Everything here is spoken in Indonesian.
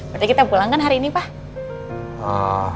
berarti kita pulang kan hari ini papa